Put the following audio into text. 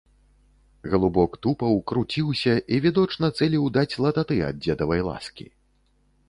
Галубок тупаў, круціўся і відочна цэліў даць лататы ад дзедавай ласкі.